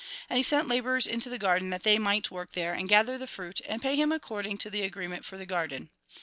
And he sent labourers into the garden, that they might work there, and gather the fruit, and pay him according to the agreement for the garden.